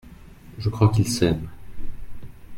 Je crois qu’ils s’aiment.